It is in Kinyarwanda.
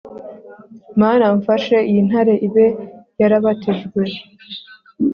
Mana umfashe iyi ntare ibe yarabatijwe